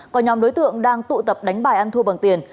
có nhóm đối tượng đang tụ tập đánh bài ăn thua bằng tiền